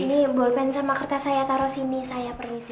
ini ball pen sama kertas saya taro sini saya permisi